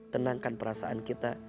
tenangkan perasaan kita